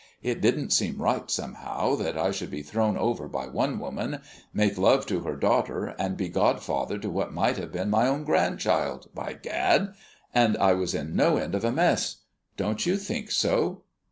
It didn't seem right, somehow, that I should be thrown over by one woman, make love to her daughter, and be godfather to what might have been my own grandchild, by Gad; and I was in no end of a mess. Don't you think so?"